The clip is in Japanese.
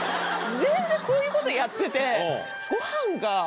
全然こういうことやってて。